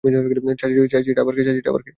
চাচিটা আবার কে?